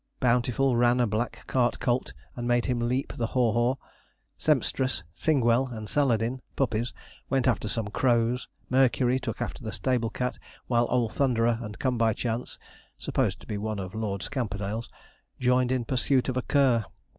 Bountiful ran a black cart colt, and made him leap the haw haw. Sempstress, Singwell, and Saladin (puppies), went after some crows. Mercury took after the stable cat, while old Thunderer and Come by chance (supposed to be one of Lord Scamperdale's) joined in pursuit of a cur.